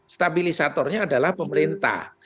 stabilisatornya adalah pemerintah